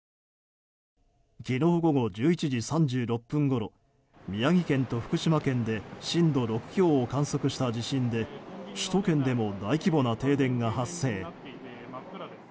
昨日午後１１時３６分ごろ宮城県と福島県で震度６強を観測した地震で首都圏でも大規模な停電が発生。